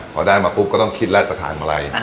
พอได้มาปุ๊บก็ต้องคิดแล้วจะถามอะไร